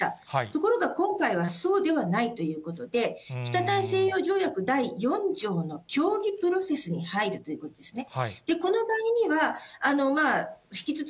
ところが、今回はそうではないということで、北大西洋条約第４条の協議プロセスに入るということですね。